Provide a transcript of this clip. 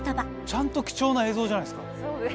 ちゃんと貴重な映像じゃないですか。